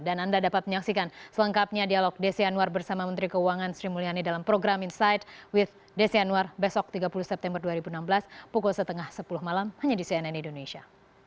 dan anda dapat menyaksikan selengkapnya dialog desi anwar bersama menteri keuangan sri mulyani dalam program inside with desi anwar besok tiga puluh september dua ribu enam belas pukul setengah sepuluh malam hanya di cnn indonesia